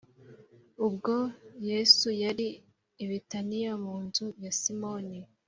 Ubwo Yesu yari i Betaniya mu nzu ya Simoni